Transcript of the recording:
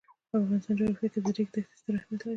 د افغانستان جغرافیه کې د ریګ دښتې ستر اهمیت لري.